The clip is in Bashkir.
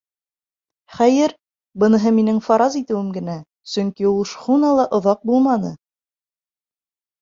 Хәйер, быныһы минең фараз итеүем генә, сөнки ул шхунала оҙаҡ булманы.